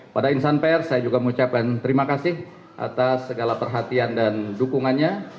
pada insan pers saya juga mengucapkan terima kasih atas segala perhatian dan dukungannya